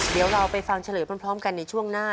เดี๋ยวเราไปฟังเฉลยพร้อมกันในช่วงหน้า